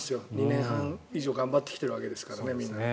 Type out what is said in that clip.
２年半以上頑張ってきているわけですから。